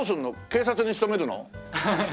警察に勤めるの？